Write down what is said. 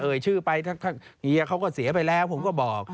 ชื่อไปเฮียเขาก็เสียไปแล้วผมก็บอก